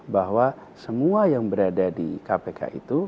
bahwa semua yang berada di kpk itu